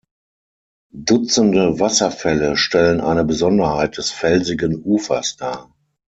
Dutzende Wasserfälle stellen eine Besonderheit des felsigen Ufers dar.